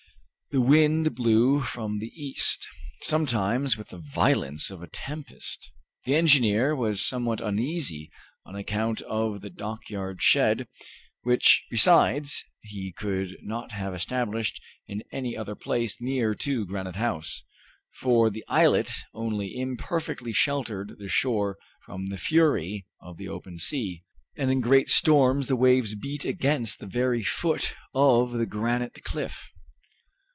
The wind blew from the east, sometimes with the violence of a tempest. The engineer was somewhat uneasy on account of the dockyard shed which besides, he could not have established in any other place near to Granite House for the islet only imperfectly sheltered the shore from the fury of the open sea, and in great storms the waves beat against the very foot of the granite cliff.